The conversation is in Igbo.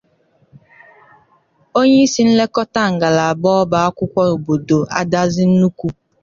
onyeisi nlekọta ngalaba ọba akwụkwọ obodo Adazi-Nnukwu